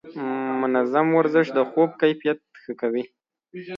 منظم ورزش د خوب کیفیت ښه کوي.